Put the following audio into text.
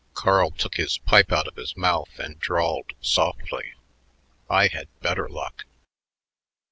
Carl took his pipe out of his mouth and drawled softly, "I had better luck."